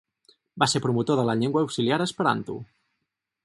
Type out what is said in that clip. Va ser promotor de la llengua auxiliar esperanto.